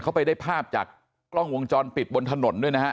เขาไปได้ภาพจากกล้องวงจรปิดบนถนนด้วยนะฮะ